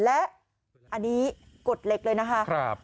และอันนี้กฎเหล็กเลยนะคะ